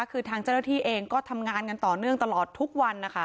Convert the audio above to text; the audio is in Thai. คือทางเจ้าหน้าที่เองก็ทำงานกันต่อเนื่องตลอดทุกวันนะคะ